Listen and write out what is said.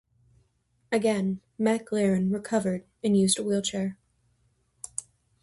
Again MacLaren recovered, and used a wheelchair.